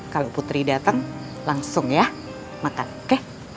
kalau putri datang langsung ya makan kek